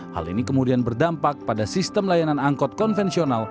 hal ini kemudian berdampak pada sistem layanan angkot konvensional